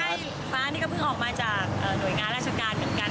ใช่พานี่ก็เบิ้งออกมาจากหน่วยงานราชการแล้วกัน